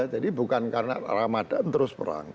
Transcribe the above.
jadi bukan karena ramadhan terus perang